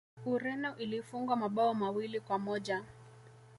ureno ilifungwa mabao mawili kwa moja